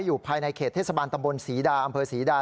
อยู่ภายในเขตเทศบาลตำบลศรีดาอำเภอศรีดา